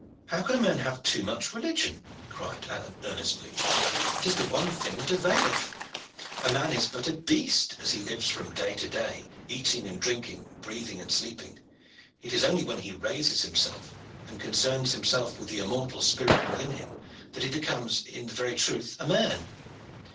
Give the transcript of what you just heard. "How can a man have too much religion?" cried Alleyne earnestly. "It is the one thing that availeth. A man is but a beast as he lives from day to day, eating and drinking, breathing and sleeping. It is only when he raises himself, and concerns himself with the immortal spirit within him, that he becomes in very truth a man.